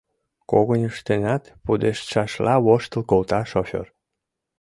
— Когыньыштынат... — пудештшашла воштыл колта шофёр.